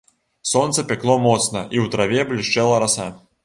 Сонца пякло моцна, і ў траве блішчэла раса.